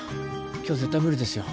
今日絶対無理ですよ。